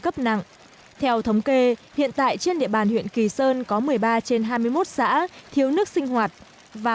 cấp nặng theo thống kê hiện tại trên địa bàn huyện kỳ sơn có một mươi ba trên hai mươi một xã thiếu nước sinh hoạt và